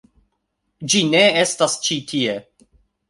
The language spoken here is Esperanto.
Ĝi ne estas ĉi tie